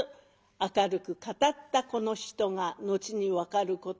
明るく語ったこの人が後に分かることですが